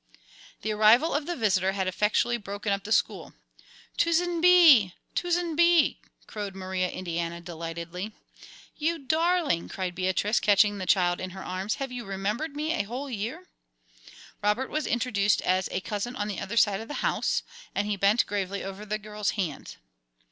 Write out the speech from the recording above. The arrival of the visitor had effectually broken up the school. "Tuzzin Bee! Tuzzin Bee!" crowed Maria Indiana, delightedly. "You darling," cried Beatrice, catching the child in her arms; "have you remembered me a whole year?" Robert was introduced as "a cousin on the other side of the house," and he bent gravely over the girl's hand.